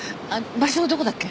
場所はどこだっけ？